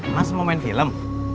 mas mau main film